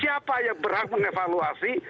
siapa yang berhak mengevaluasi